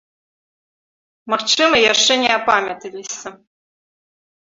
Магчыма, яшчэ не апамяталіся.